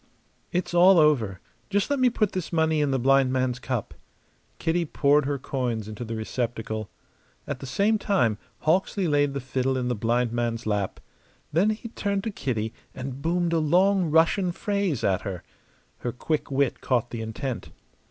"It's all over. Just let me put this money in the blind man's cup." Kitty poured her coins into the receptacle. At the same time Hawksley laid the fiddle in the blind man's lap. Then he turned to Kitty and boomed a long Russian phrase at her. Her quick wit caught the intent.